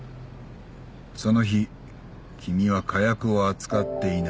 その日君は火薬を扱っていない。